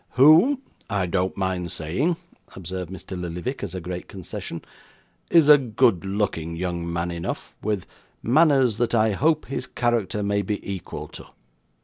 'Who, I don't mind saying,' observed Mr. Lillyvick, as a great concession, 'is a good looking young man enough, with manners that I hope his character may be equal to.